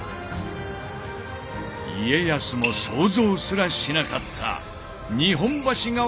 家康も想像すらしなかった日本橋川の活用術！